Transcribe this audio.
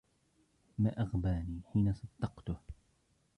ما أغباني حين صدقته!